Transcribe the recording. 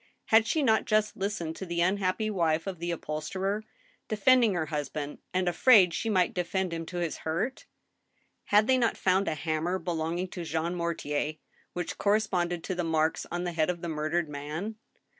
Had she not just listened to the unhappy wife of the upholsterer, defending her husband, and afraid she might defend him to his hurt ? Had they not found a hammer belonging to Jean Mortier, which corresponded to the marks on the head of the murdered man